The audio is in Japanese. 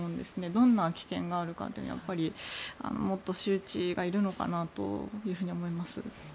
どんな危険があるかというのはもっと周知がいるのかなと思います。